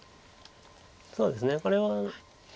そうですねこれは。